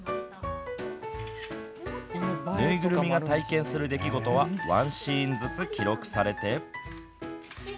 縫いぐるみが体験する出来事はワンシーンずつ記録されて。